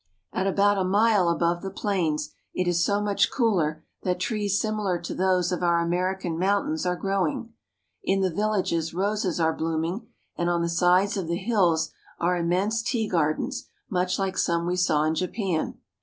At about a mile above the plains it is so much cooler that trees similar to those of our American mountains are growing. In the villages roses are blooming, and on the sides of the hills are immense tea gardens, much like some we saw in Japan.